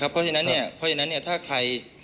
เพราะฉะนั้นถ้าใคร